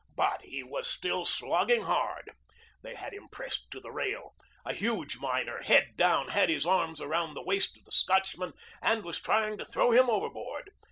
But he was still slogging hard. They had him pressed to the rail. A huge miner, head down, had his arms around the waist of the Scotchman and was trying to throw him overboard.